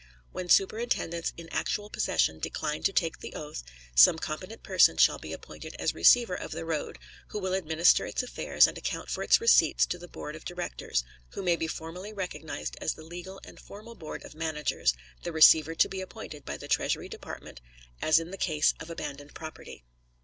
When superintendents in actual possession decline to take the oath, some competent person shall be appointed as receiver of the road, who will administer its affairs and account for its receipts to the board of directors, who may be formally recognized as the legal and formal board of managers, the receiver to be appointed by the Treasury Department, as in the case of abandoned property.